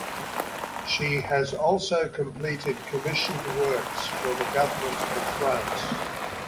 She has also completed commissioned works for the Government of France.